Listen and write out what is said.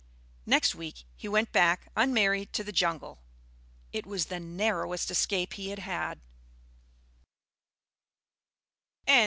Next week he went back unmarried to the jungle. It was the narrowest escape he had had.